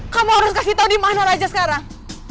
kamu harus kasih tahu di mana raja sekarang